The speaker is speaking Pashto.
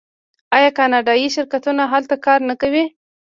آیا کاناډایی شرکتونه هلته کار نه کوي؟